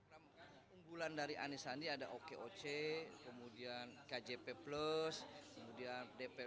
kepala reklamasi dari pak luhut